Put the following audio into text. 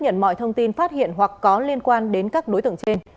nếu có thông tin phát hiện hoặc có liên quan đến các đối tượng trên